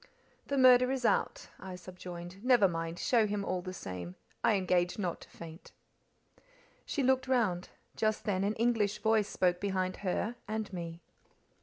"The murder is out," I subjoined. "Never mind, show him all the same; I engage not to faint." She looked round. Just then an English voice spoke behind her and me.